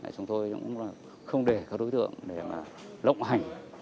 chúng tôi cũng không để các đối tượng để lộng hành